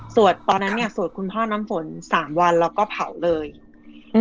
ตอนนั้นเนี้ยสวดคุณพ่อน้ำฝนสามวันแล้วก็เผาเลยอืม